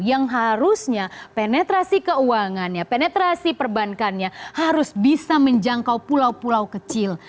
yang harusnya penetrasi keuangannya penetrasi perbankannya harus bisa menjangkau pulau pulau kecil